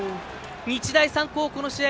日大三高、この試合